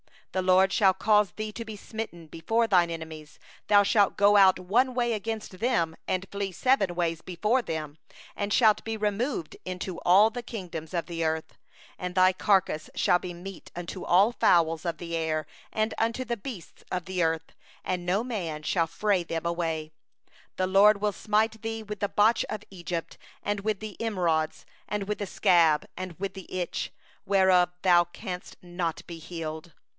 25The LORD will cause thee to be smitten before thine enemies; thou shalt go out one way against them, and shalt flee seven ways before them; and thou shalt be a horror unto all the kingdoms of the earth. 26And thy carcasses shall be food unto all fowls of the air, and unto the beasts of the earth, and there shall be none to frighten them away. 27The LORD will smite thee with the boil of Egypt, and with the emerods, and with the scab, and with the itch, whereof thou canst not be healed.